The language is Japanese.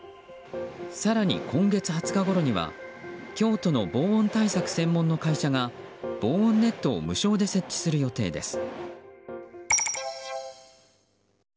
更に今月２０日ごろには京都の防音対策専門の会社が防音ネットを無償で設置する予定です。